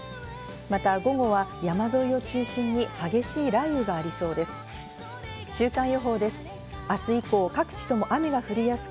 また午後は山沿いを中心に激しい雷雨がありそうです。